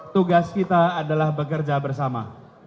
tugas kita adalah bekerja bersama